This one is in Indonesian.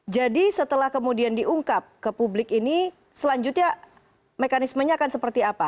jadi setelah kemudian diungkap ke publik ini selanjutnya mekanismenya akan seperti apa